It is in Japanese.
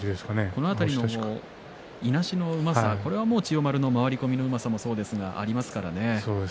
この辺りのいなしのうまさ千代丸の回り込みのうまさもありますからね。